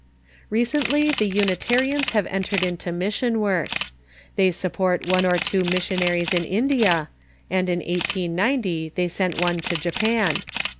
Recently the Unitarians have entered into mission work. They support one or two missionaries in India, and in 1890 they sent one to Japan.